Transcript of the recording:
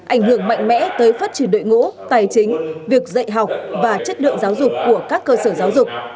ảnh hưởng mạnh mẽ tới phát triển đội ngũ tài chính việc dạy học và chất lượng giáo dục của các cơ sở giáo dục